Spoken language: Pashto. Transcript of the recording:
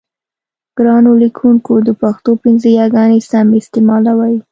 ګرانو لیکوونکو د پښتو پنځه یاګانې سمې استعمالوئ.